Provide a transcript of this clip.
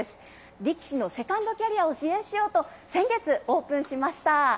力士のセカンドキャリアを支援しようと、先月、オープンしました。